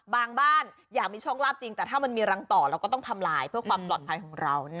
บ้านอยากมีโชคลาภจริงแต่ถ้ามันมีรังต่อเราก็ต้องทำลายเพื่อความปลอดภัยของเรา